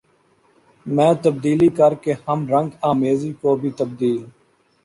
میں تبدیلی کر کے ہم رنگ آمیزی کو بھی تبدیل